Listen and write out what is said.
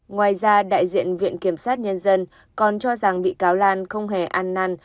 ngoài ra đại diện viện kiểm sát nhân dân còn cho rằng bị cáo lan không hề an năn